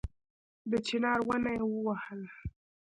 د چينار ونه يې ووهله